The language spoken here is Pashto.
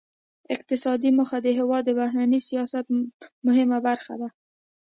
اقتصادي موخې د هیواد د بهرني سیاست مهمه برخه ده